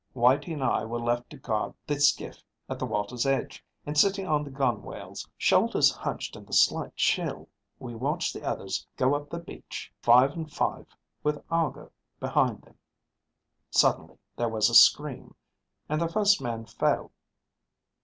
Whitey and I were left to guard the skiff at the water's edge, and sitting on the gunwales, shoulders hunched in the slight chill, we watched the others go up the beach, five and five, with Argo behind them. "Suddenly there was a scream, and the first man fell.